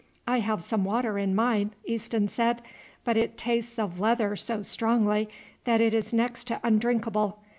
"I have some water in mine," Easton said, "but it tastes of leather so strongly that it is next to undrinkable.